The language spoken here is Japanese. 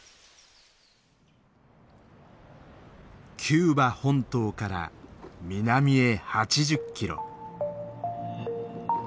キューバ本島から南へ８０キロ。